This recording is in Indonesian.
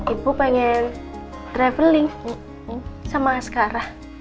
ibu pengen traveling sama sekarang